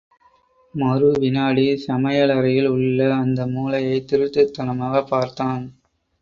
மறு வினாடி, சமயலறையில் உள்ள அந்த மூலையை திருட்டுத்தனமாகப் பார்த்தான்.